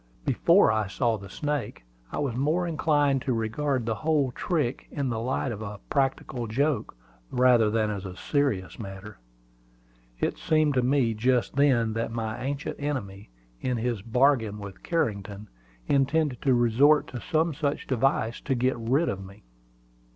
Before I saw the snake, I was more inclined to regard the whole trick in the light of a practical joke, rather than as a serious matter. It seemed to me just then that my ancient enemy, in his bargain with Carrington, intended to resort to some such device to get rid of me.